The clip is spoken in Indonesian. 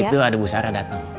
itu ada bu sarah dateng